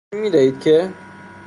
اجازه می دهید که ...؟